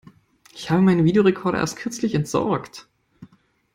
Ich habe meinen Videorecorder erst kürzlich entsorgt.